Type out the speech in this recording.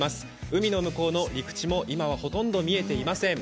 海の向こうの陸地も今はほとんど見えていません。